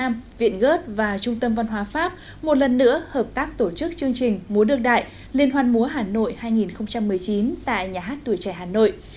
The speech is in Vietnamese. một lần nữa hợp tác tổ chức chương trình múa được đại liên hoan múa hà nội hai nghìn một mươi chín tại nhà hát tuổi trẻ hà nội